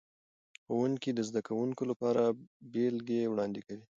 ښوونکي د زده کوونکو لپاره بیلګې وړاندې کوي.